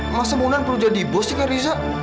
masa bondan perlu jadi bos sih kak riza